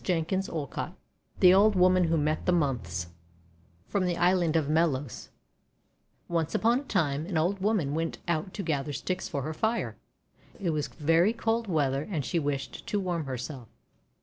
416 THE WONDER GARDEN THE OLD WOMAN WHO MET THE MONTHS From the Island of Melos ONCE upon a time, an old woman went out to gather sticks for her fire. It was very cold weather and she wished to warm herself.